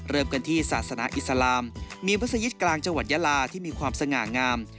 เริ่มกันที่ศาสนาอิสลามมีมัศยิตกลางจังหวัดยาลาที่มีความสง่างาม